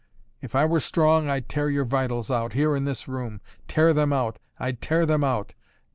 If I were strong, I'd tear your vitals out, here in this room tear them out I'd tear them out!